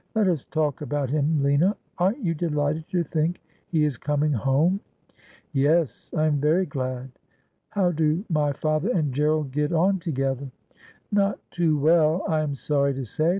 ' Let us talk about him, Lina. Aren't you delighted to think he is coming home ?'' Yes ; I am very glad.' ' How do my father and Gerald get on together ?'' Not too well, I am sorry to say.